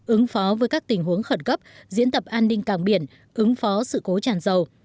ứng phó với các tình huống khẩn cấp diễn tập an ninh cảng biển ứng phó sự cố tràn dầu